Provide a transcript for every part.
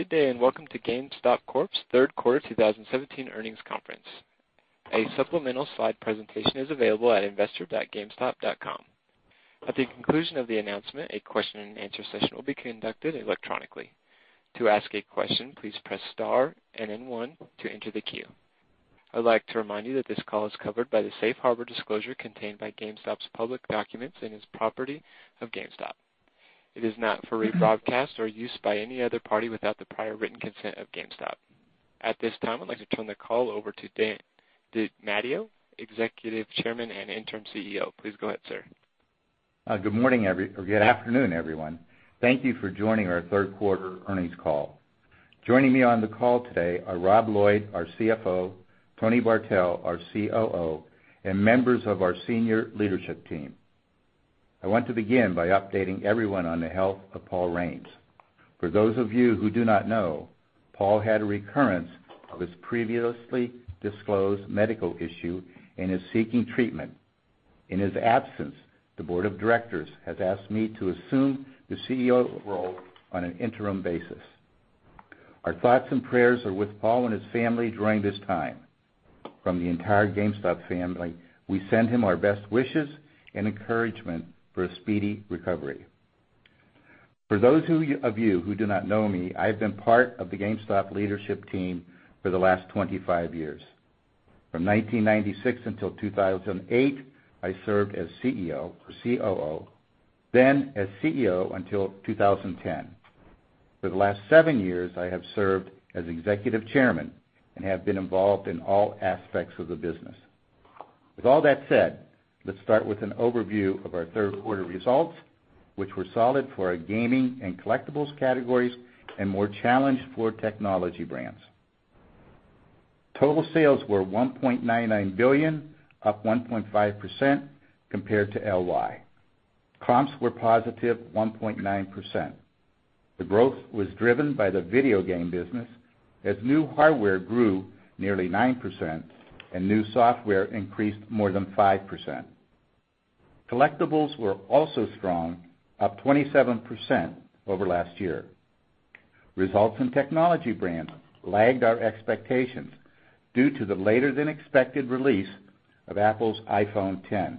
Good day. Welcome to GameStop Corp.'s third quarter 2017 earnings conference. A supplemental slide presentation is available at investor.gamestop.com. At the conclusion of the announcement, a question and answer session will be conducted electronically. To ask a question, please press star and then one to enter the queue. I'd like to remind you that this call is covered by the safe harbor disclosure contained by GameStop's public documents and is property of GameStop. It is not for rebroadcast or use by any other party without the prior written consent of GameStop. At this time, I'd like to turn the call over to Daniel DeMatteo, Executive Chairman and Interim CEO. Please go ahead, sir. Good morning, or good afternoon, everyone. Thank you for joining our third quarter earnings call. Joining me on the call today are Rob Lloyd, our CFO, Tony Bartel, our COO, and members of our senior leadership team. I want to begin by updating everyone on the health of Paul Raines. For those of you who do not know, Paul had a recurrence of his previously disclosed medical issue and is seeking treatment. In his absence, the board of directors has asked me to assume the CEO role on an interim basis. Our thoughts and prayers are with Paul and his family during this time. From the entire GameStop family, we send him our best wishes and encouragement for a speedy recovery. For those of you who do not know me, I've been part of the GameStop leadership team for the last 25 years. From 1996 until 2008, I served as CEO or COO, then as CEO until 2010. For the last seven years, I have served as Executive Chairman and have been involved in all aspects of the business. With all that said, let's start with an overview of our third quarter results, which were solid for our gaming and collectibles categories and more challenged for Tech Brands. Total sales were $1.99 billion, up 1.5% compared to LY. Comps were positive 1.9%. The growth was driven by the video game business as new hardware grew nearly 9% and new software increased more than 5%. Collectibles were also strong, up 27% over last year. Results in Tech Brands lagged our expectations due to the later than expected release of Apple's iPhone X.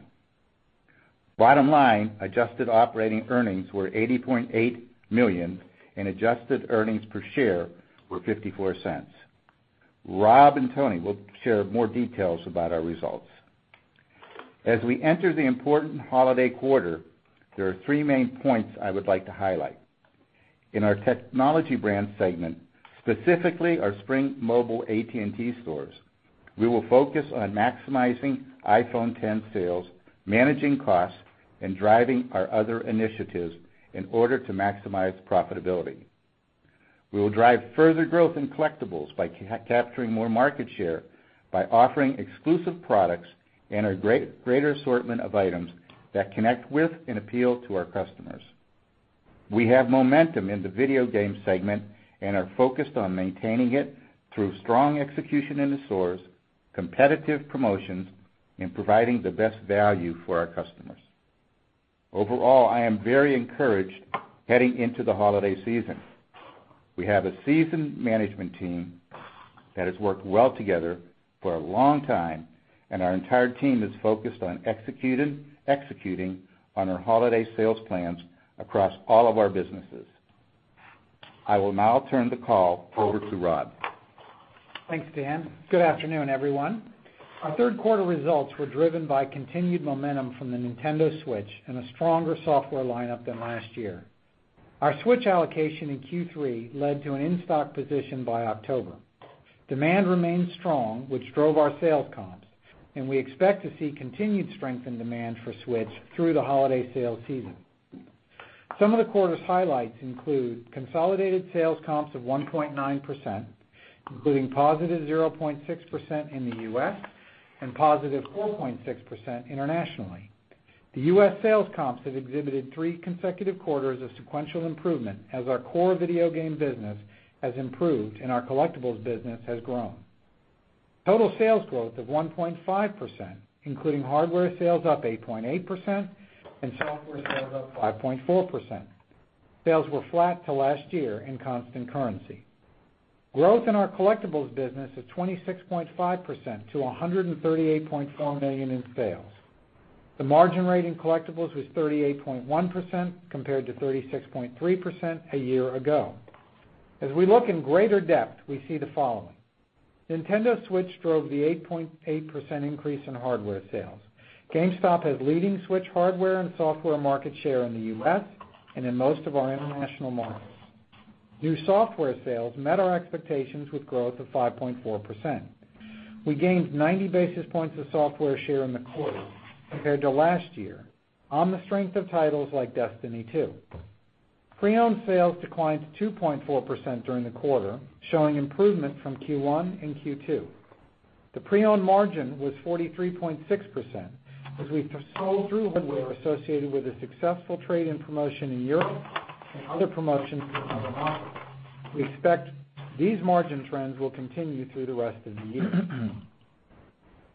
Bottom line, adjusted operating earnings were $80.8 million and adjusted earnings per share were $0.54. Rob and Tony will share more details about our results. As we enter the important holiday quarter, there are three main points I would like to highlight. In our Tech Brands segment, specifically our Spring Mobile AT&T stores, we will focus on maximizing iPhone X sales, managing costs, and driving our other initiatives in order to maximize profitability. We will drive further growth in collectibles by capturing more market share by offering exclusive products and a greater assortment of items that connect with and appeal to our customers. We have momentum in the video game segment and are focused on maintaining it through strong execution in the stores, competitive promotions, and providing the best value for our customers. Overall, I am very encouraged heading into the holiday season. We have a seasoned management team that has worked well together for a long time. Our entire team is focused on executing on our holiday sales plans across all of our businesses. I will now turn the call over to Rob. Thanks, Dan. Good afternoon, everyone. Our third quarter results were driven by continued momentum from the Nintendo Switch and a stronger software lineup than last year. Our Switch allocation in Q3 led to an in-stock position by October. Demand remained strong, which drove our sales comps. We expect to see continued strength in demand for Switch through the holiday sales season. Some of the quarter's highlights include consolidated sales comps of 1.9%, including positive 0.6% in the U.S. and positive 4.6% internationally. The U.S. sales comps have exhibited three consecutive quarters of sequential improvement as our core video game business has improved and our collectibles business has grown. Total sales growth of 1.5%, including hardware sales up 8.8% and software sales up 5.4%. Sales were flat to last year in constant currency. Growth in our collectibles business is 26.5% to $138.4 million in sales. The margin rate in collectibles was 38.1% compared to 36.3% a year ago. As we look in greater depth, we see the following. Nintendo Switch drove the 8.8% increase in hardware sales. GameStop has leading Switch hardware and software market share in the U.S. and in most of our international markets. New software sales met our expectations with growth of 5.4%. We gained 90 basis points of software share in the quarter compared to last year on the strength of titles like Destiny 2. Pre-owned sales declined 2.4% during the quarter, showing improvement from Q1 and Q2. The pre-owned margin was 43.6% as we sold through hardware associated with a successful trade-in promotion in Europe and other promotions in other markets. We expect these margin trends will continue through the rest of the year.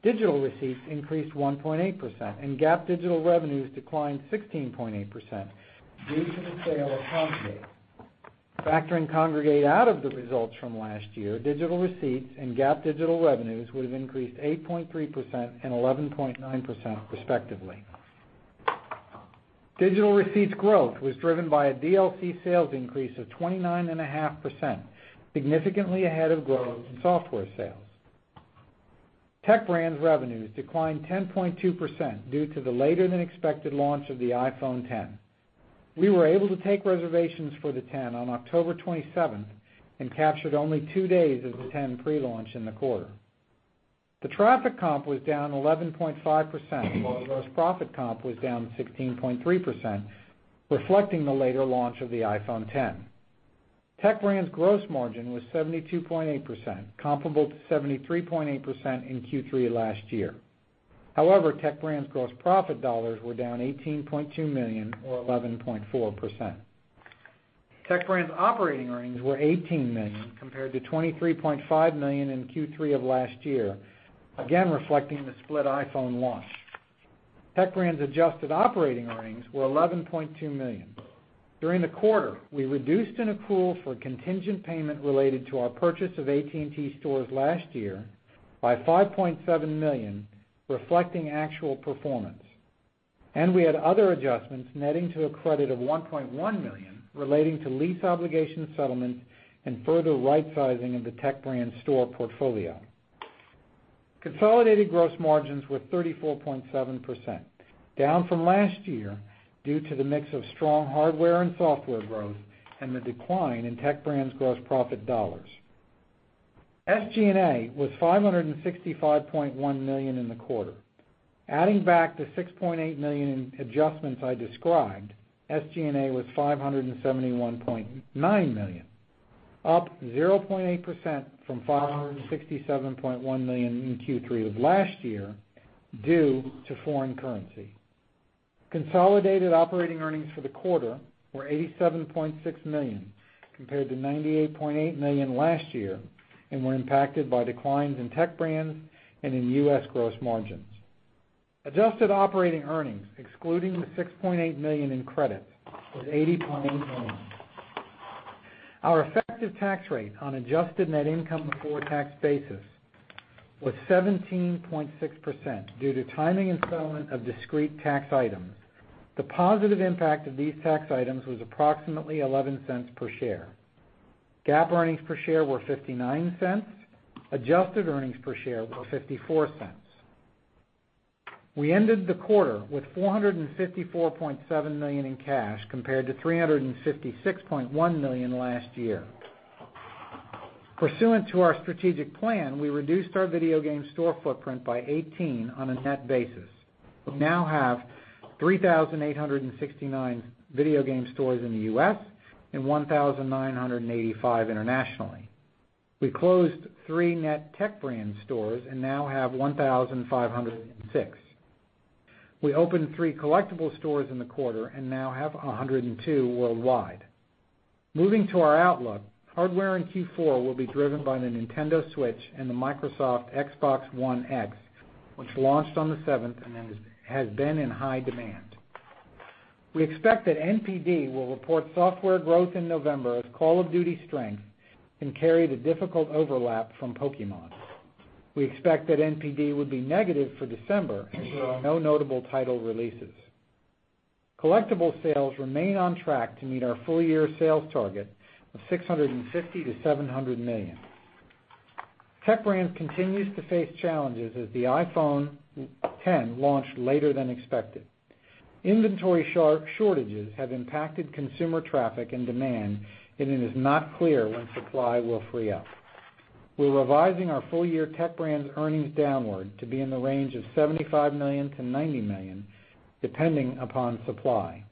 Digital receipts increased 1.8%. GAAP digital revenues declined 16.8% due to the sale of Kongregate. Factoring Kongregate out of the results from last year, digital receipts and GAAP digital revenues would have increased 8.3% and 11.9% respectively. Digital receipts growth was driven by a DLC sales increase of 29.5%, significantly ahead of growth in software sales. Tech Brands revenues declined 10.2% due to the later-than-expected launch of the iPhone X. We were able to take reservations for the X on October 27th and captured only two days of the X pre-launch in the quarter. The traffic comp was down 11.5%, while gross profit comp was down 16.3%, reflecting the later launch of the iPhone X. Tech Brands' gross margin was 72.8%, comparable to 73.8% in Q3 last year. However, Tech Brands' gross profit dollars were down $18.2 million or 11.4%. Tech Brands' operating earnings were $18 million compared to $23.5 million in Q3 of last year, again reflecting the split iPhone launch. Tech Brands' adjusted operating earnings were $11.2 million. During the quarter, we reduced an accrual for contingent payment related to our purchase of AT&T stores last year by $5.7 million, reflecting actual performance. We had other adjustments netting to a credit of $1.1 million relating to lease obligation settlements and further rightsizing in the Tech Brands store portfolio. Consolidated gross margins were 34.7%, down from last year due to the mix of strong hardware and software growth and the decline in Tech Brands' gross profit dollars. SG&A was $565.1 million in the quarter. Adding back the $6.8 million in adjustments I described, SG&A was $571.9 million, up 0.8% from $567.1 million in Q3 of last year due to foreign currency. Consolidated operating earnings for the quarter were $87.6 million compared to $98.8 million last year and were impacted by declines in Tech Brands and in U.S. gross margins. Adjusted operating earnings, excluding the $6.8 million in credits, was $80.8 million. Our effective tax rate on adjusted net income before tax basis was 17.6% due to timing and settlement of discrete tax items. The positive impact of these tax items was approximately $0.11 per share. GAAP earnings per share were $0.59. Adjusted earnings per share were $0.54. We ended the quarter with $454.7 million in cash compared to $356.1 million last year. Pursuant to our strategic plan, we reduced our video game store footprint by 18 on a net basis. We now have 3,869 video game stores in the U.S. and 1,985 internationally. We closed three net Tech Brands stores and now have 1,506. We opened three collectible stores in the quarter and now have 102 worldwide. Moving to our outlook, hardware in Q4 will be driven by the Nintendo Switch and the Microsoft Xbox One X, which launched on the 7th and has been in high demand. We expect that NPD will report software growth in November as Call of Duty strengths can carry the difficult overlap from Pokémon. We expect that NPD would be negative for December as there are no notable title releases. Collectible sales remain on track to meet our full-year sales target of $650 million-$700 million. Tech Brands continues to face challenges as the iPhone X launched later than expected. Inventory shortages have impacted consumer traffic and demand, and it is not clear when supply will free up. We're revising our full-year Tech Brands earnings downward to be in the range of $75 million-$90 million, depending upon supply.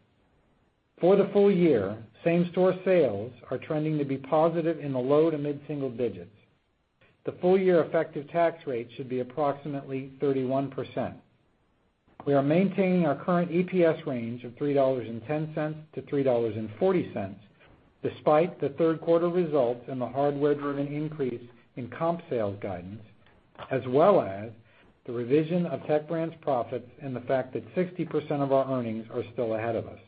For the full year, same-store sales are trending to be positive in the low to mid-single digits. The full-year effective tax rate should be approximately 31%. We are maintaining our current EPS range of $3.10-$3.40 despite the third quarter results and the hardware-driven increase in comp sales guidance, as well as the revision of Tech Brands' profits and the fact that 60% of our earnings are still ahead of us.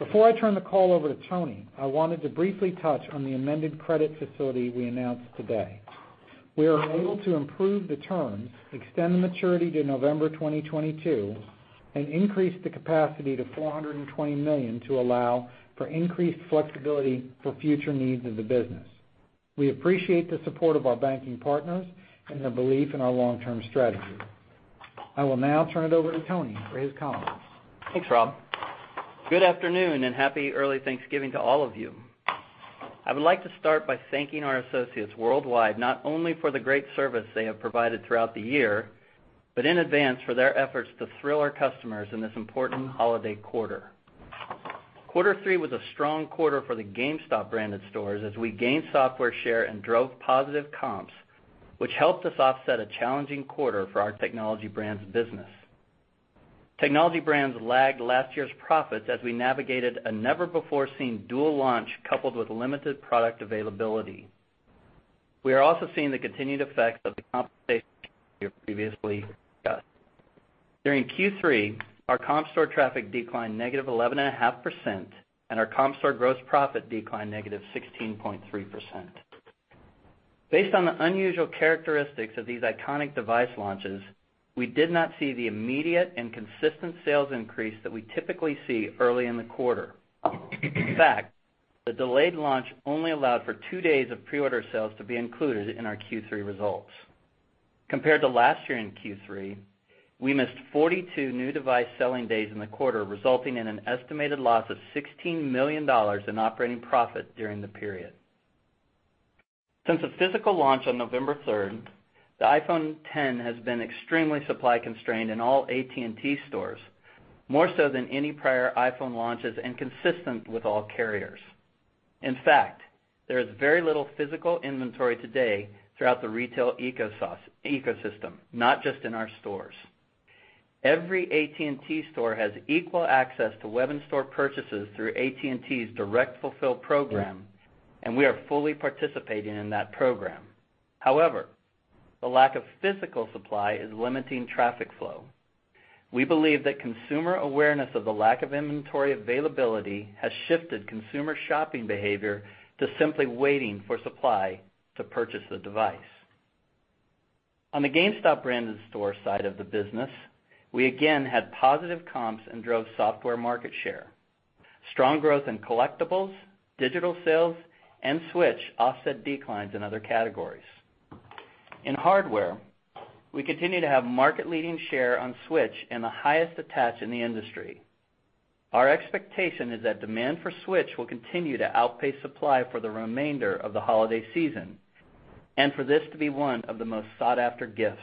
Before I turn the call over to Tony, I wanted to briefly touch on the amended credit facility we announced today. We are able to improve the terms, extend the maturity to November 2022, and increase the capacity to $420 million to allow for increased flexibility for future needs of the business. We appreciate the support of our banking partners and their belief in our long-term strategy. I will now turn it over to Tony for his comments. Thanks, Rob. Good afternoon and happy early Thanksgiving to all of you. I would like to start by thanking our associates worldwide not only for the great service they have provided throughout the year, but in advance for their efforts to thrill our customers in this important holiday quarter. Quarter three was a strong quarter for the GameStop-branded stores as we gained software share and drove positive comps, which helped us offset a challenging quarter for our Technology Brands business. Technology Brands lagged last year's profits as we navigated a never-before-seen dual launch coupled with limited product availability. We are also seeing the continued effects of the compensation we have previously discussed. During Q3, our comp store traffic declined -11.5%, and our comp store gross profit declined -16.3%. Based on the unusual characteristics of these iconic device launches, we did not see the immediate and consistent sales increase that we typically see early in the quarter. In fact, the delayed launch only allowed for two days of pre-order sales to be included in our Q3 results. Compared to last year in Q3, we missed 42 new device selling days in the quarter, resulting in an estimated loss of $16 million in operating profit during the period. Since the physical launch on November 3rd, the iPhone X has been extremely supply-constrained in all AT&T stores, more so than any prior iPhone launches and consistent with all carriers. In fact, there is very little physical inventory today throughout the retail ecosystem, not just in our stores. Every AT&T store has equal access to web and store purchases through AT&T's direct fulfill program, and we are fully participating in that program. The lack of physical supply is limiting traffic flow. We believe that consumer awareness of the lack of inventory availability has shifted consumer shopping behavior to simply waiting for supply to purchase the device. On the GameStop-branded store side of the business, we again had positive comps and drove software market share. Strong growth in collectibles, digital sales, and Switch offset declines in other categories. In hardware, we continue to have market-leading share on Switch and the highest attach in the industry. Our expectation is that demand for Switch will continue to outpace supply for the remainder of the holiday season and for this to be one of the most sought-after gifts.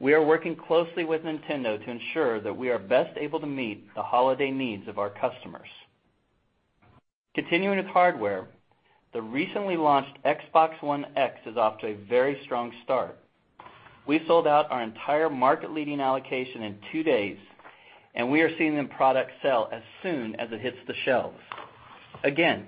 We are working closely with Nintendo to ensure that we are best able to meet the holiday needs of our customers. Continuing with hardware, the recently launched Xbox One X is off to a very strong start. We sold out our entire market-leading allocation in two days, and we are seeing the product sell as soon as it hits the shelves. Again,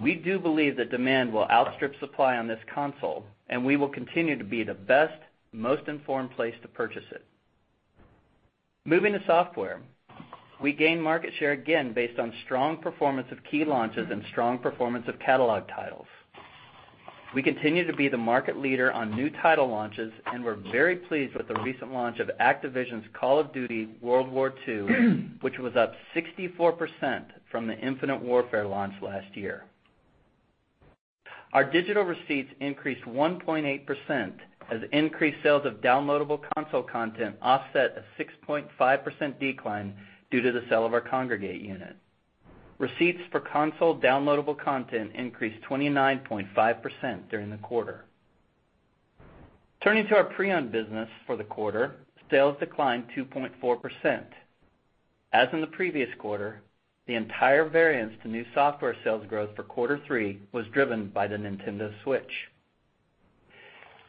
we do believe that demand will outstrip supply on this console, and we will continue to be the best, most informed place to purchase it. Moving to software, we gained market share again based on strong performance of key launches and strong performance of catalog titles. We continue to be the market leader on new title launches and were very pleased with the recent launch of Activision's Call of Duty: WWII, which was up 64% from the Infinite Warfare launch last year. Our digital receipts increased 1.8% as increased sales of downloadable console content offset a 6.5% decline due to the sale of our Kongregate unit. Receipts for console downloadable content increased 29.5% during the quarter. Turning to our pre-owned business for the quarter, sales declined 2.4%. As in the previous quarter, the entire variance to new software sales growth for quarter three was driven by the Nintendo Switch.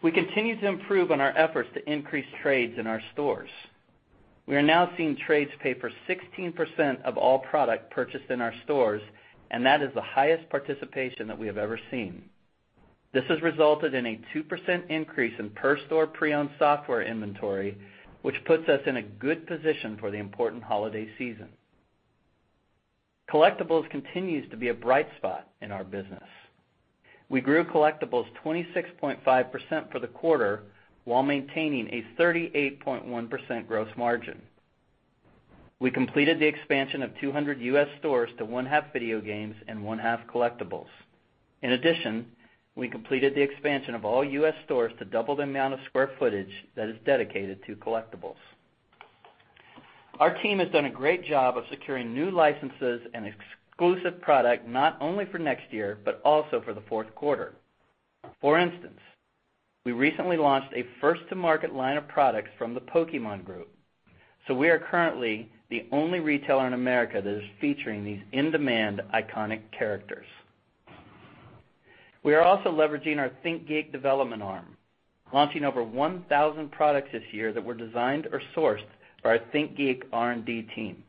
We continue to improve on our efforts to increase trades in our stores. We are now seeing trades pay for 16% of all product purchased in our stores. That is the highest participation that we have ever seen. This has resulted in a 2% increase in per store pre-owned software inventory, which puts us in a good position for the important holiday season. Collectibles continues to be a bright spot in our business. We grew collectibles 26.5% for the quarter while maintaining a 38.1% gross margin. We completed the expansion of 200 U.S. stores to one-half video games and one-half collectibles. In addition, we completed the expansion of all U.S. stores to double the amount of square footage that is dedicated to collectibles. Our team has done a great job of securing new licenses and exclusive product not only for next year but also for the fourth quarter. For instance, we recently launched a first-to-market line of products from the Pokémon group. We are currently the only retailer in America that is featuring these in-demand iconic characters. We are also leveraging our ThinkGeek development arm, launching over 1,000 products this year that were designed or sourced by our ThinkGeek R&D team.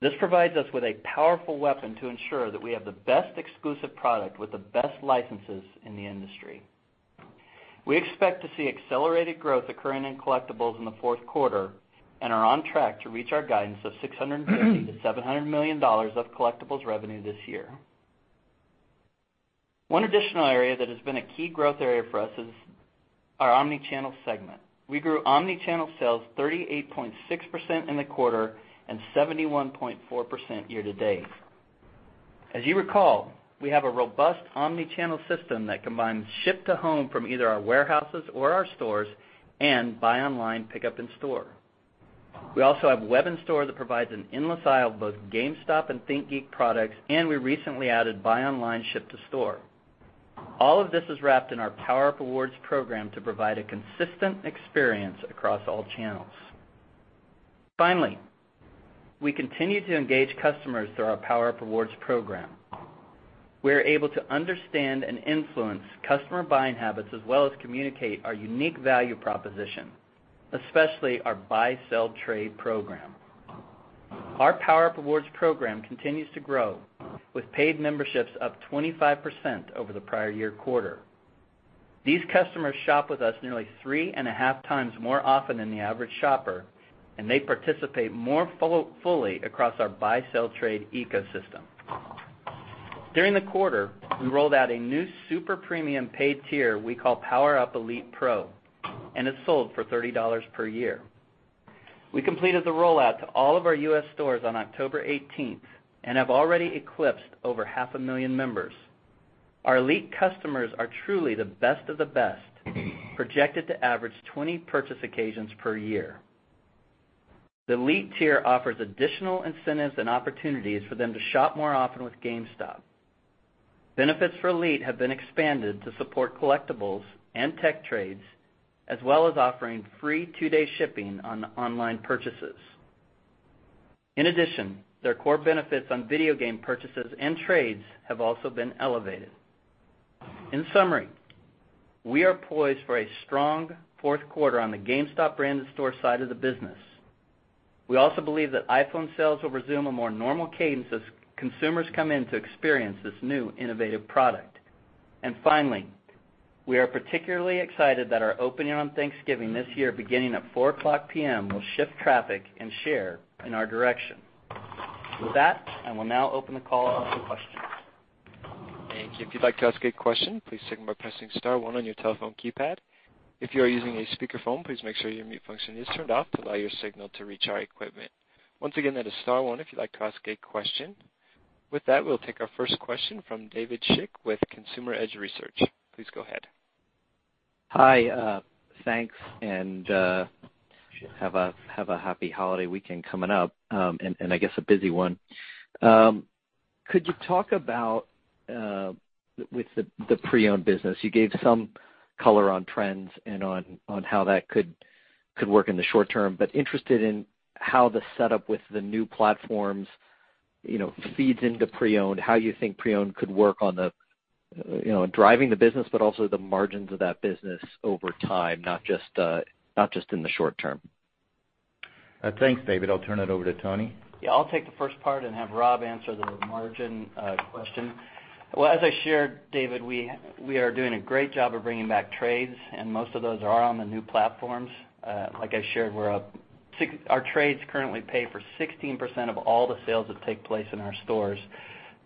This provides us with a powerful weapon to ensure that we have the best exclusive product with the best licenses in the industry. We expect to see accelerated growth occurring in collectibles in the fourth quarter and are on track to reach our guidance of $650 million to $700 million of collectibles revenue this year. One additional area that has been a key growth area for us is our omni-channel segment. We grew omni-channel sales 38.6% in the quarter and 71.4% year to date. As you recall, we have a robust omni-channel system that combines ship to home from either our warehouses or our stores and buy online, pickup in store. We also have web in store that provides an endless aisle of both GameStop and ThinkGeek products. We recently added buy online, ship to store. All of this is wrapped in our PowerUp Rewards program to provide a consistent experience across all channels. Finally, we continue to engage customers through our PowerUp Rewards program. We're able to understand and influence customer buying habits as well as communicate our unique value proposition, especially our Buy/Sell Trade program. Our PowerUp Rewards program continues to grow, with paid memberships up 25% over the prior year quarter. These customers shop with us nearly three and a half times more often than the average shopper. They participate more fully across our Buy/Sell Trade ecosystem. During the quarter, we rolled out a new super premium paid tier we call PowerUp Elite Pro. It's sold for $30 per year. We completed the rollout to all of our U.S. stores on October 18th and have already eclipsed over half a million members. Our Elite customers are truly the best of the best, projected to average 20 purchase occasions per year. The Elite tier offers additional incentives and opportunities for them to shop more often with GameStop. Benefits for Elite have been expanded to support collectibles and tech trades, as well as offering free two-day shipping on online purchases. In addition, their core benefits on video game purchases and trades have also been elevated. In summary, we are poised for a strong fourth quarter on the GameStop branded store side of the business. Finally, we also believe that iPhone sales will resume a more normal cadence as consumers come in to experience this new innovative product. We are particularly excited that our opening on Thanksgiving this year, beginning at 4:00 P.M., will shift traffic and share in our direction. With that, I will now open the call up for questions. Thank you. If you'd like to ask a question, please signal by pressing *1 on your telephone keypad. If you are using a speakerphone, please make sure your mute function is turned off to allow your signal to reach our equipment. Once again, that is *1 if you'd like to ask a question. With that, we'll take our first question from David Schick with Consumer Edge Research. Please go ahead. Hi. Thanks, and have a happy holiday weekend coming up, and I guess a busy one. Could you talk about the pre-owned business? You gave some color on trends and on how that could work in the short term, but interested in how the setup with the new platforms feeds into pre-owned, how you think pre-owned could work on driving the business, but also the margins of that business over time, not just in the short term. Thanks, David. I'll turn it over to Tony. I'll take the first part and have Rob answer the margin question. Well, as I shared, David, we are doing a great job of bringing back trades, and most of those are on the new platforms. Like I shared, our trades currently pay for 16% of all the sales that take place in our stores.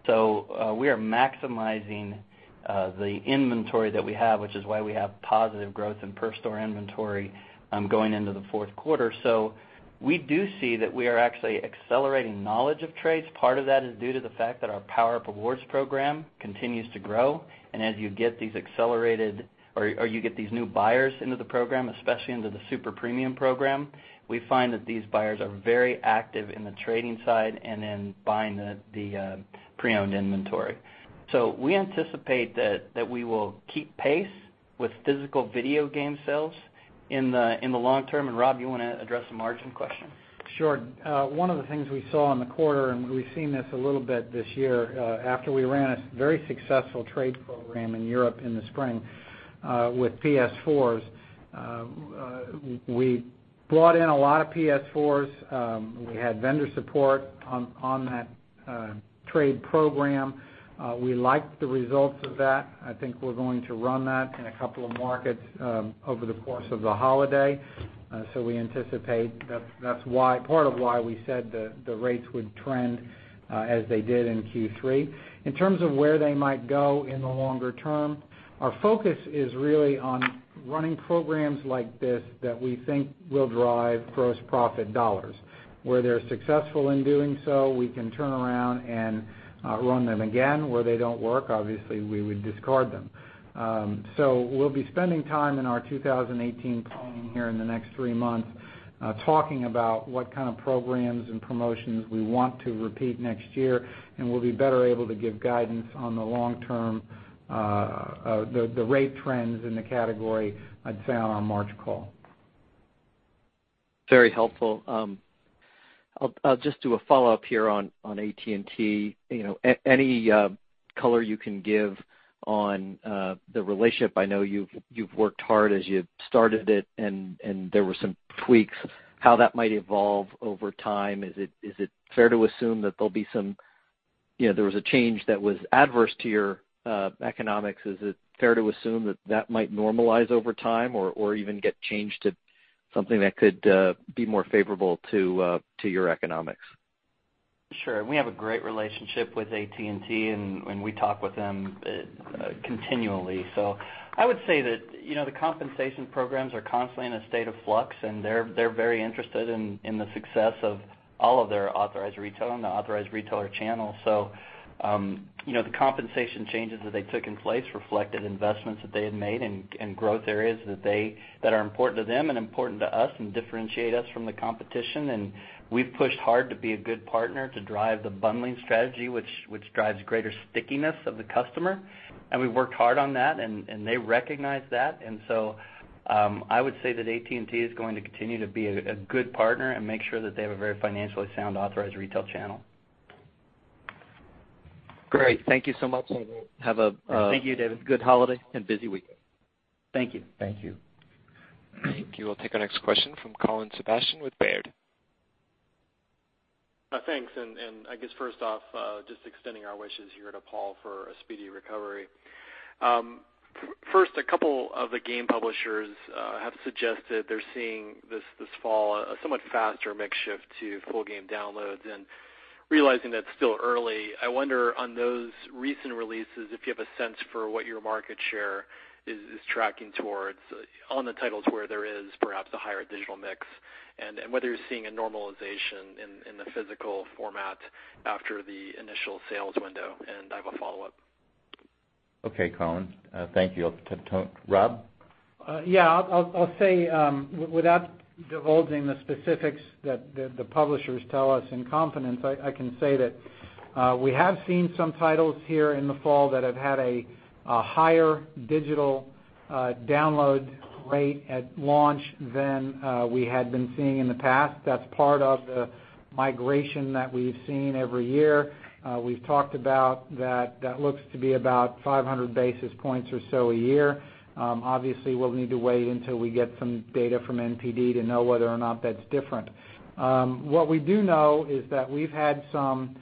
We are maximizing the inventory that we have, which is why we have positive growth in per store inventory going into the fourth quarter. We do see that we are actually accelerating knowledge of trades. Part of that is due to the fact that our PowerUp Rewards program continues to grow. As you get these new buyers into the program, especially into the Super Premium program, we find that these buyers are very active in the trading side and in buying the pre-owned inventory. We anticipate that we will keep pace with physical video game sales in the long term. Rob, you want to address the margin question? Sure. One of the things we saw in the quarter, and we've seen this a little bit this year, after we ran a very successful trade program in Europe in the spring with PS4s. We brought in a lot of PS4s. We had vendor support on that trade program. We liked the results of that. I think we're going to run that in a couple of markets over the course of the holiday. We anticipate that's part of why we said the rates would trend as they did in Q3. In terms of where they might go in the longer term, our focus is really on running programs like this that we think will drive gross profit dollars. Where they're successful in doing so, we can turn around and run them again. Where they don't work, obviously, we would discard them. We'll be spending time in our 2018 planning here in the next three months, talking about what kind of programs and promotions we want to repeat next year, and we'll be better able to give guidance on the long-term, the rate trends in the category as said on our March call. Very helpful. I'll just do a follow-up here on AT&T. Any color you can give on the relationship? I know you've worked hard as you started it and there were some tweaks. How that might evolve over time? Is it fair to assume that there was a change that was adverse to your economics? Is it fair to assume that that might normalize over time or even get changed to something that could be more favorable to your economics? Sure. We have a great relationship with AT&T. We talk with them continually. I would say that the compensation programs are constantly in a state of flux. They're very interested in the success of all of their authorized retail and the authorized retailer channel. The compensation changes that they took in place reflected investments that they had made and growth areas that are important to them and important to us and differentiate us from the competition. We've pushed hard to be a good partner to drive the bundling strategy, which drives greater stickiness of the customer. We've worked hard on that, and they recognize that. I would say that AT&T is going to continue to be a good partner and make sure that they have a very financially sound authorized retail channel. Great. Thank you so much. Thank you, David. good holiday and busy weekend. Thank you. Thank you. Thank you. We'll take our next question from Colin Sebastian with Baird. Thanks. I guess first off, just extending our wishes here to Paul for a speedy recovery. A couple of the game publishers have suggested they're seeing this fall a somewhat faster mix shift to full game downloads and realizing that's still early, I wonder on those recent releases, if you have a sense for what your market share is tracking towards on the titles where there is perhaps a higher digital mix, and whether you're seeing a normalization in the physical format after the initial sales window. I have a follow-up. Okay, Colin. Thank you. Rob? Yeah, I'll say, without divulging the specifics that the publishers tell us in confidence, I can say that we have seen some titles here in the fall that have had a higher digital download rate at launch than we had been seeing in the past. That's part of the migration that we've seen every year. We've talked about that looks to be about 500 basis points or so a year. Obviously, we'll need to wait until we get some data from NPD to know whether or not that's different. What we do know is that we've had strong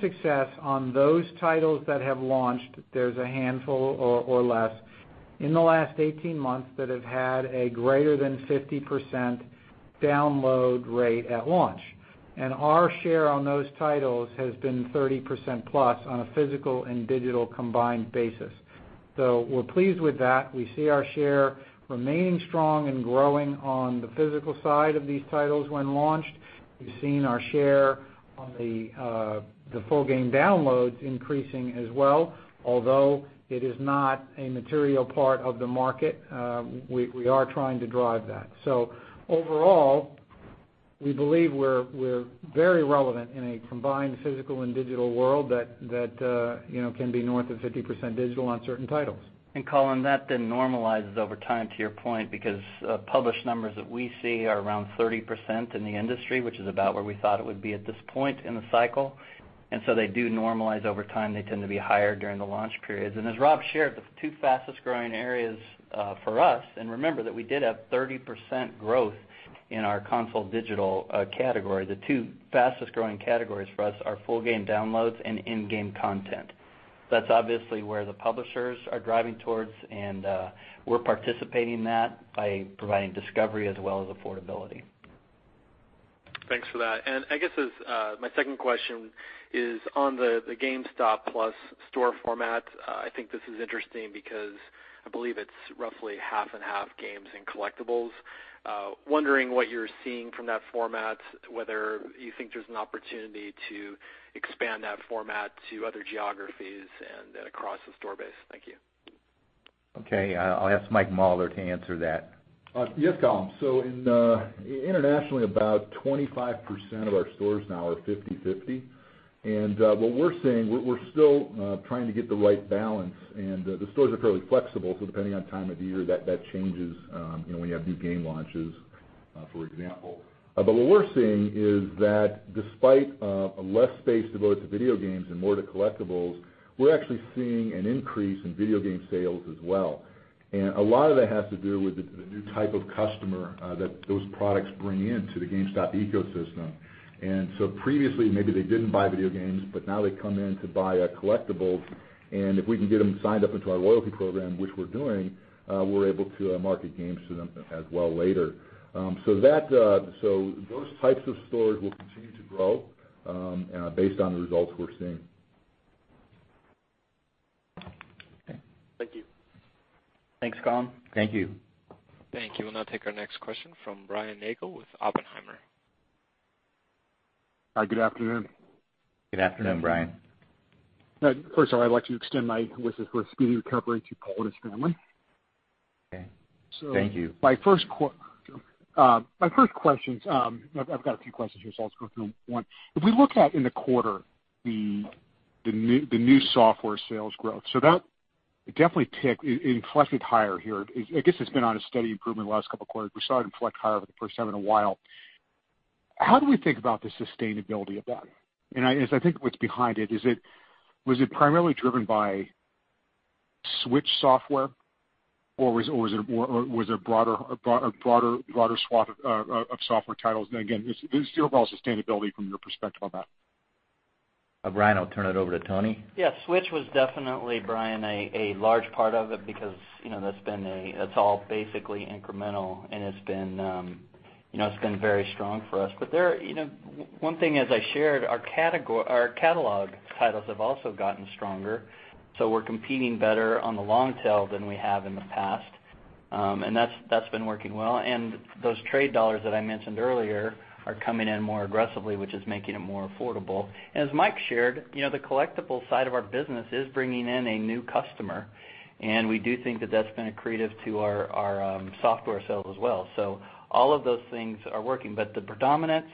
success on those titles that have launched, there's a handful or less, in the last 18 months that have had a greater than 50% download rate at launch. Our share on those titles has been 30% plus on a physical and digital combined basis. We're pleased with that. We see our share remaining strong and growing on the physical side of these titles when launched. We've seen our share on the full game downloads increasing as well, although it is not a material part of the market. We are trying to drive that. Overall, we believe we're very relevant in a combined physical and digital world that can be north of 50% digital on certain titles. Colin, that then normalizes over time, to your point, because published numbers that we see are around 30% in the industry, which is about where we thought it would be at this point in the cycle. They do normalize over time. They tend to be higher during the launch periods. As Rob shared, the two fastest growing areas for us, remember that we did have 30% growth in our console digital category. The two fastest growing categories for us are full game downloads and in-game content. That's obviously where the publishers are driving towards, and we're participating in that by providing discovery as well as affordability. Thanks for that. I guess my second question is on the GameStop Plus store format. I think this is interesting because I believe it's roughly 50/50 games and collectibles. I am wondering what you're seeing from that format, whether you think there's an opportunity to expand that format to other geographies and across the store base. Thank you. Okay. I'll ask Michael Mauler to answer that. Yes, Colin. Internationally, about 25% of our stores now are 50/50. What we're seeing, we're still trying to get the right balance, and the stores are fairly flexible, so depending on time of year, that changes when you have new game launches, for example. What we're seeing is that despite less space devoted to video games and more to collectibles, we're actually seeing an increase in video game sales as well. A lot of that has to do with the new type of customer that those products bring into the GameStop ecosystem. Previously, maybe they didn't buy video games, but now they come in to buy collectibles, and if we can get them signed up into our loyalty program, which we're doing, we're able to market games to them as well later. Those types of stores will continue to grow based on the results we're seeing. Thank you. Thanks, Colin. Thank you. Thank you. We'll now take our next question from Brian Nagel with Oppenheimer. Good afternoon. Good afternoon, Brian. First of all, I'd like to extend my wishes for a speedy recovery to Paul and his family. Okay. Thank you. My first question. I've got a few questions here, so I'll just go through them one. If we look at in the quarter, the new software sales growth, so that definitely ticked, it flexed higher here. I guess it's been on a steady improvement the last couple of quarters. We saw it flex higher for the first time in a while. How do we think about the sustainability of that? As I think what's behind it, was it primarily driven by Switch software, or was it a broader swath of software titles? Again, just overall sustainability from your perspective on that. Brian, I'll turn it over to Tony. Yeah, Switch was definitely, Brian, a large part of it because that's all basically incremental, and it's been very strong for us. One thing as I shared, our catalog titles have also gotten stronger. We're competing better on the long tail than we have in the past. That's been working well. Those trade dollars that I mentioned earlier are coming in more aggressively, which is making it more affordable. As Mike shared, the collectible side of our business is bringing in a new customer, and we do think that that's been accretive to our software sales as well. All of those things are working, but the predominance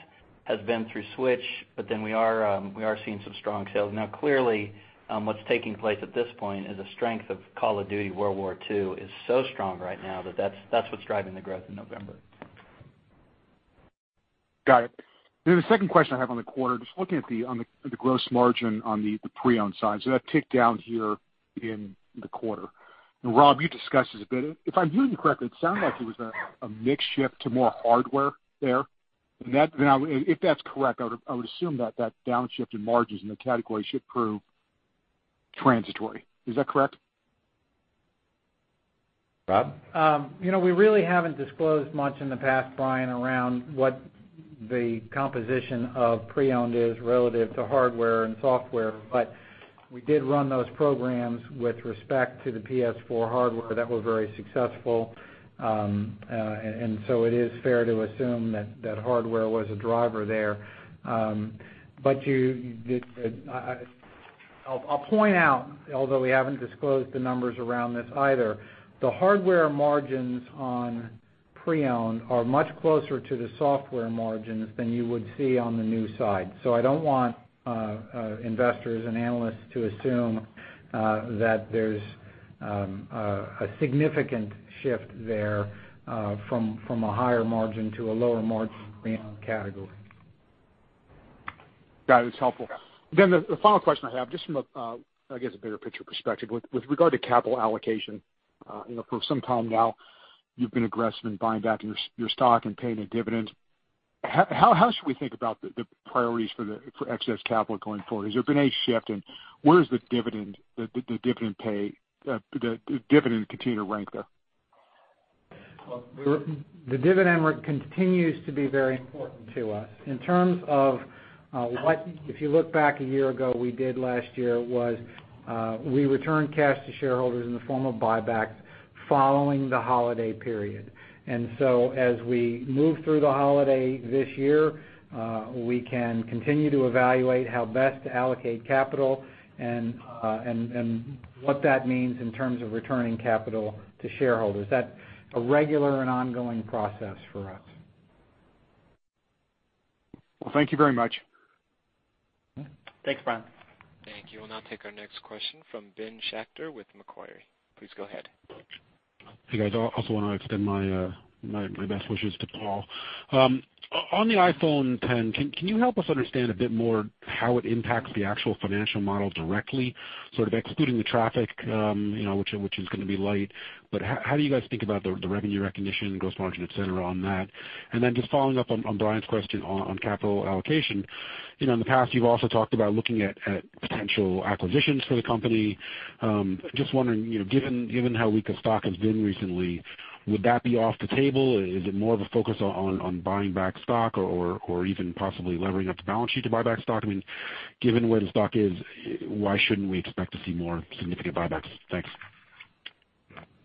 has been through Switch, we are seeing some strong sales. Clearly, what's taking place at this point is the strength of Call of Duty: WWII is so strong right now that that's what's driving the growth in November. Got it. The second question I have on the quarter, just looking at the gross margin on the pre-owned side. That ticked down here in the quarter. Rob, you discussed this a bit. If I'm hearing you correctly, it sounded like it was a mix shift to more hardware there. If that's correct, I would assume that downshift in margins in the category should prove transitory. Is that correct? Rob? We really haven't disclosed much in the past, Brian, around what the composition of pre-owned is relative to hardware and software. We did run those programs with respect to the PS4 hardware that were very successful. It is fair to assume that hardware was a driver there. I'll point out, although we haven't disclosed the numbers around this either, the hardware margins on pre-owned are much closer to the software margins than you would see on the new side. I don't want investors and analysts to assume that there's a significant shift there from a higher margin to a lower margin category. Got it. It's helpful. Yeah. The final question I have, just from a, I guess, a bigger picture perspective with regard to capital allocation. For some time now, you've been aggressive in buying back your stock and paying a dividend. How should we think about the priorities for excess capital going forward? Has there been a shift, and where does the dividend continue to rank there? The dividend continues to be very important to us. In terms of what, if you look back a year ago, we did last year, was we returned cash to shareholders in the form of buyback following the holiday period. As we move through the holiday this year, we can continue to evaluate how best to allocate capital and what that means in terms of returning capital to shareholders. That's a regular and ongoing process for us. Well, thank you very much. Thanks, Brian. Thank you. We'll now take our next question from Ben Schachter with Macquarie. Please go ahead. Hey, guys. I also want to extend my best wishes to Paul. On the iPhone X, can you help us understand a bit more how it impacts the actual financial model directly, sort of excluding the traffic, which is going to be light. How do you guys think about the revenue recognition, gross margin, et cetera, on that? Then just following up on Brian's question on capital allocation. In the past, you've also talked about looking at potential acquisitions for the company. Just wondering, given how weak the stock has been recently, would that be off the table? Is it more of a focus on buying back stock or even possibly levering up the balance sheet to buy back stock? Given where the stock is, why shouldn't we expect to see more significant buybacks? Thanks.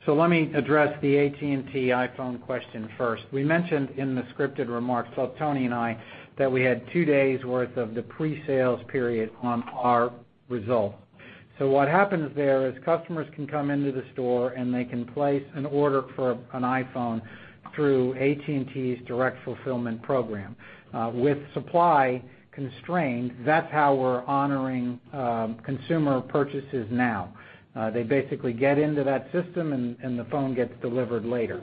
Let me address the AT&T iPhone question first. We mentioned in the scripted remarks, both Tony and I, that we had two days worth of the pre-sales period on our result. What happens there is customers can come into the store, and they can place an order for an iPhone through AT&T's direct fulfillment program. With supply constrained, that's how we're honoring consumer purchases now. They basically get into that system and the phone gets delivered later.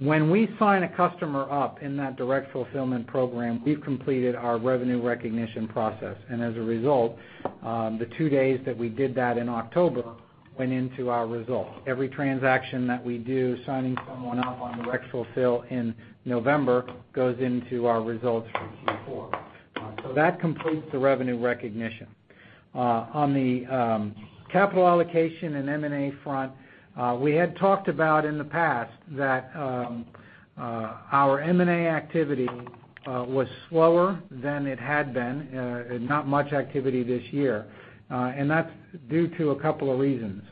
When we sign a customer up in that direct fulfillment program, we've completed our revenue recognition process. As a result, the two days that we did that in October went into our result. Every transaction that we do, signing someone up on direct fulfill in November goes into our results for Q4. That completes the revenue recognition. On the capital allocation and M&A front, we had talked about in the past that our M&A activity was slower than it had been, not much activity this year. That's due to a couple of reasons.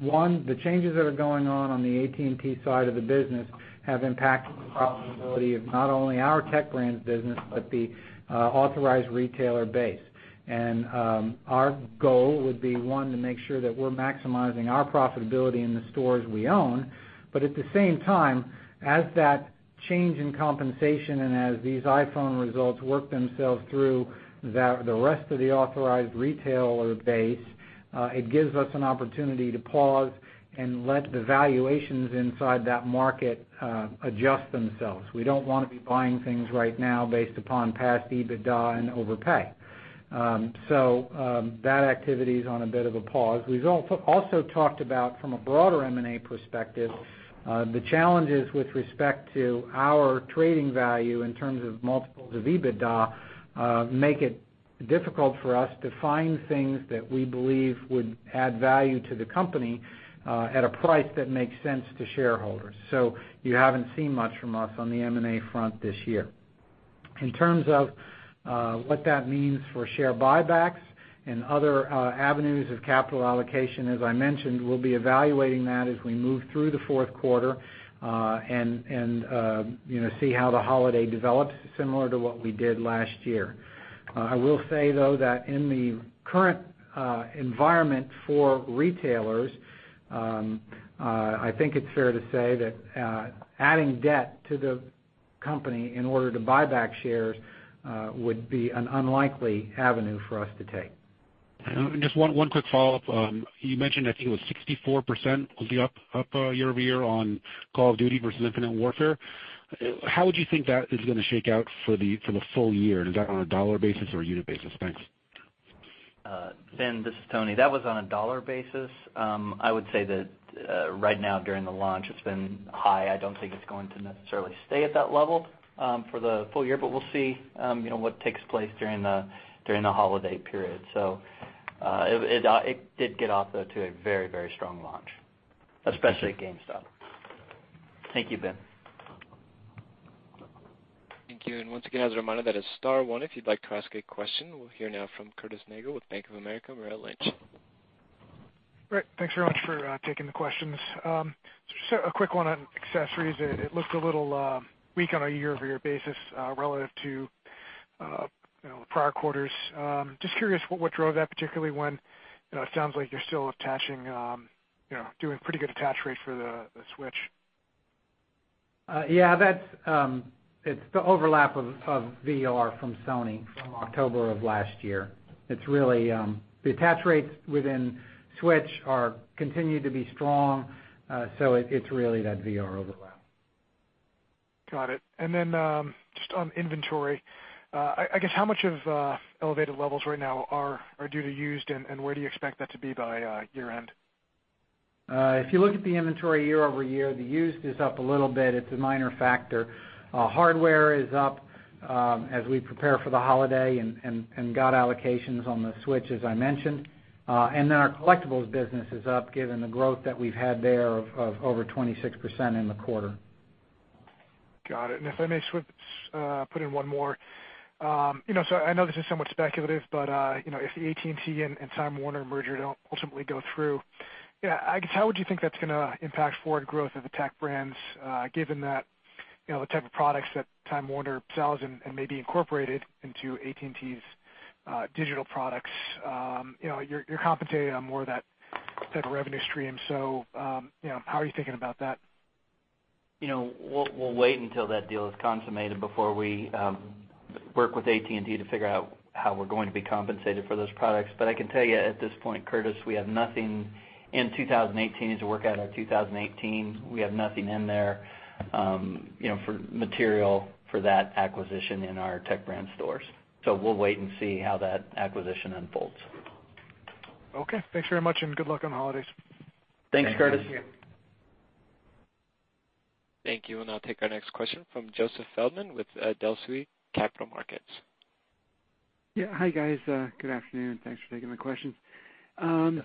One, the changes that are going on the AT&T side of the business have impacted the profitability of not only our Tech Brands business, but the authorized retailer base. Our goal would be, one, to make sure that we're maximizing our profitability in the stores we own. At the same time, as that change in compensation and as these iPhone results work themselves through the rest of the authorized retailer base, it gives us an opportunity to pause and let the valuations inside that market adjust themselves. We don't want to be buying things right now based upon past EBITDA and overpay. That activity is on a bit of a pause. We've also talked about from a broader M&A perspective, the challenges with respect to our trading value in terms of multiples of EBITDA, make it difficult for us to find things that we believe would add value to the company at a price that makes sense to shareholders. You haven't seen much from us on the M&A front this year. In terms of what that means for share buybacks and other avenues of capital allocation, as I mentioned, we'll be evaluating that as we move through the fourth quarter and see how the holiday develops similar to what we did last year. I will say, though, that in the current environment for retailers, I think it's fair to say that adding debt to the company in order to buy back shares would be an unlikely avenue for us to take. Just one quick follow-up. You mentioned, I think it was 64% was up year-over-year on Call of Duty versus Infinite Warfare. How would you think that is going to shake out for the full year? Is that on a dollar basis or a unit basis? Thanks. Ben, this is Tony. That was on a dollar basis. I would say that right now during the launch, it's been high. I don't think it's going to necessarily stay at that level for the full year, but we'll see what takes place during the holiday period. It did get off to a very strong launch, especially at GameStop. Thank you. Thank you, Ben. Thank you. Once again, as a reminder, that is star one if you'd like to ask a question. We'll hear now from Curtis Nagle with Bank of America Merrill Lynch. Great. Thanks very much for taking the questions. Just a quick one on accessories. It looked a little weak on a year-over-year basis relative to the prior quarters. Just curious what drove that, particularly when it sounds like you're still doing pretty good attach rates for the Switch. Yeah. It's the overlap of VR from Sony from October of last year. The attach rates within Switch continue to be strong, it's really that VR overlap. Got it. Just on inventory, I guess how much of elevated levels right now are due to used and where do you expect that to be by year-end? If you look at the inventory year-over-year, the used is up a little bit. It's a minor factor. Hardware is up as we prepare for the holiday and got allocations on the Switch, as I mentioned. Our collectibles business is up given the growth that we've had there of over 26% in the quarter. Got it. If I may put in one more. I know this is somewhat speculative, but if the AT&T and Time Warner merger don't ultimately go through, I guess how would you think that's going to impact forward growth of the Tech Brands, given that the type of products that Time Warner sells and may be incorporated into AT&T's digital products, you're compensated on more of that type of revenue stream. How are you thinking about that? We'll wait until that deal is consummated before we work with AT&T to figure out how we're going to be compensated for those products. I can tell you at this point, Curtis, we have nothing in 2018. As we work out our 2018, we have nothing in there for material for that acquisition in our Tech Brands stores. We'll wait and see how that acquisition unfolds. Okay. Thanks very much, good luck on the holidays. Thanks, Curtis. Thank you. Thank you. We'll now take our next question from Joseph Feldman with Telsey Advisory Group. Yeah. Hi, guys. Good afternoon. Thanks for taking my questions. Yes.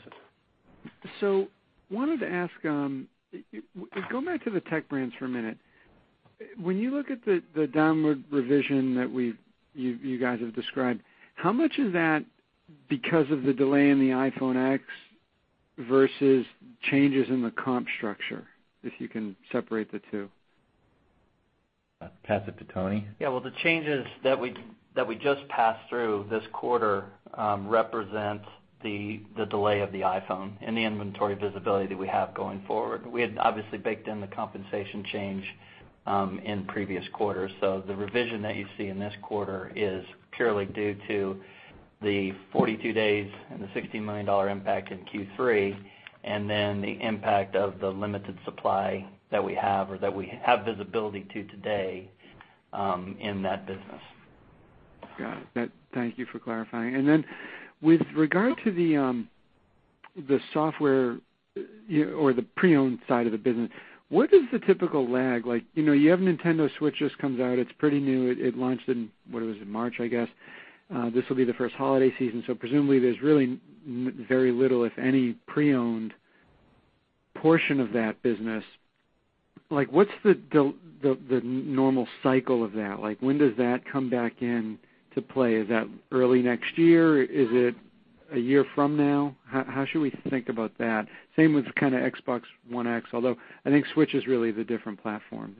Wanted to ask, going back to the Tech Brands for a minute. When you look at the downward revision that you guys have described, how much of that, because of the delay in the iPhone X versus changes in the comp structure, if you can separate the two? Pass it to Tony. Well, the changes that we just passed through this quarter represent the delay of the iPhone and the inventory visibility that we have going forward. We had obviously baked in the compensation change in previous quarters. The revision that you see in this quarter is purely due to the 42 days and the $16 million impact in Q3, and then the impact of the limited supply that we have or that we have visibility to today in that business. Got it. Thank you for clarifying. With regard to the software or the pre-owned side of the business, what is the typical lag like? You have a Nintendo Switch, just comes out, it's pretty new. It launched in, what was it? In March, I guess. This will be the first holiday season, so presumably there's really very little, if any, pre-owned portion of that business. What's the normal cycle of that? When does that come back into play? Is that early next year? Is it a year from now? How should we think about that? Same with Xbox One X, although I think Switch is really the different platform.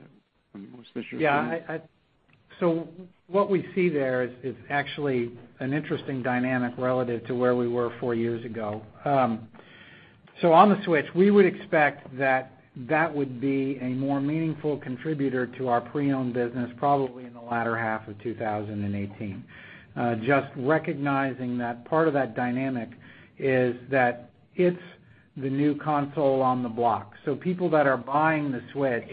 What we see there is actually an interesting dynamic relative to where we were four years ago. On the Switch, we would expect that that would be a more meaningful contributor to our pre-owned business, probably in the latter half of 2018. Just recognizing that part of that dynamic is that it's the new console on the block. People that are buying the Switch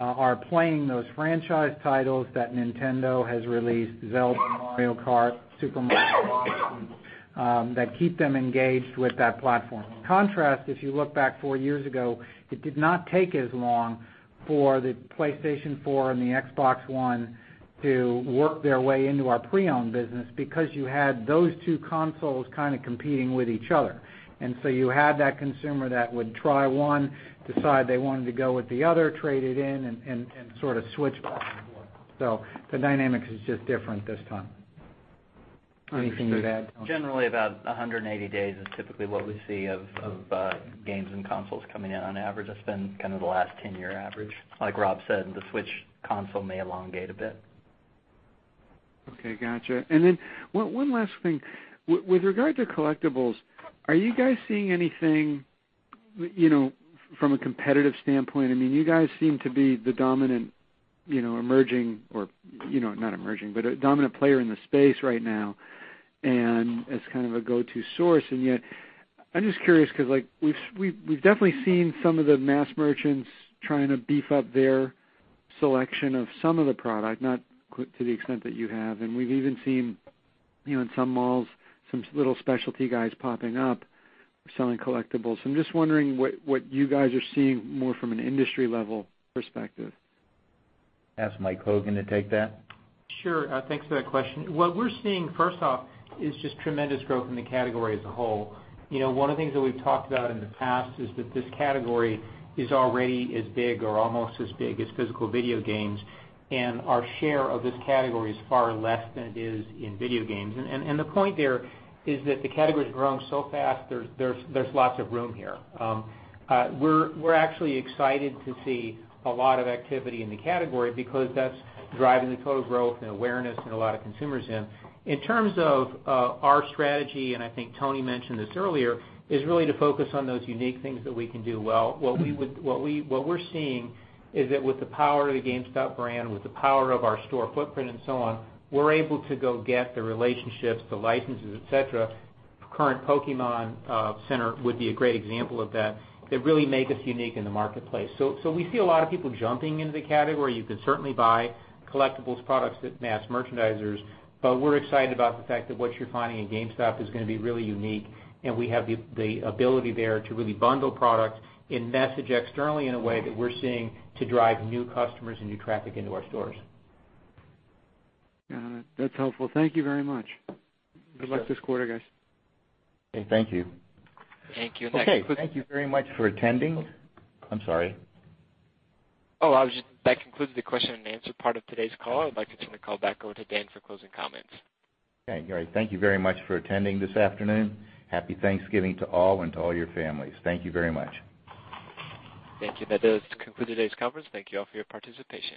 are playing those franchise titles that Nintendo has released, "Zelda," "Mario Kart," "Super Mario Bros." that keep them engaged with that platform. Contrast, if you look back four years ago, it did not take as long for the PlayStation 4 and the Xbox One to work their way into our pre-owned business because you had those two consoles kind of competing with each other. You had that consumer that would try one, decide they wanted to go with the other, trade it in and sort of switch back and forth. The dynamic is just different this time. Anything to add, Tony? Generally, about 180 days is typically what we see of games and consoles coming in on average. That's been kind of the last 10-year average. Like Rob said, the Switch console may elongate a bit. Okay. Got you. One last thing. With regard to collectibles, are you guys seeing anything from a competitive standpoint, you guys seem to be the dominant emerging, or not emerging, but a dominant player in the space right now, and as kind of a go-to source. I'm just curious because we've definitely seen some of the mass merchants trying to beef up their selection of some of the product, not to the extent that you have. We've even seen, in some malls, some little specialty guys popping up selling collectibles. I'm just wondering what you guys are seeing more from an industry level perspective. Ask Michael Hogan to take that. Sure. Thanks for that question. What we're seeing, first off, is just tremendous growth in the category as a whole. One of the things that we've talked about in the past is that this category is already as big or almost as big as physical video games, and our share of this category is far less than it is in video games. The point there is that the category's growing so fast, there's lots of room here. We're actually excited to see a lot of activity in the category because that's driving the total growth and awareness in a lot of consumers in. In terms of our strategy, I think Tony mentioned this earlier, is really to focus on those unique things that we can do well. What we're seeing is that with the power of the GameStop brand, with the power of our store footprint and so on, we're able to go get the relationships, the licenses, et cetera. Current Pokémon Center would be a great example of that really make us unique in the marketplace. We see a lot of people jumping into the category. You can certainly buy collectibles products at mass merchandisers, but we're excited about the fact that what you're finding at GameStop is going to be really unique, and we have the ability there to really bundle products and message externally in a way that we're seeing to drive new customers and new traffic into our stores. Got it. That's helpful. Thank you very much. Good luck this quarter, guys. Okay. Thank you. Thank you. Okay. Thank you very much for attending. I'm sorry. That concludes the question and answer part of today's call. I would like to turn the call back over to Dan for closing comments. Okay, great. Thank you very much for attending this afternoon. Happy Thanksgiving to all and to all your families. Thank you very much. Thank you. That does conclude today's conference. Thank you all for your participation.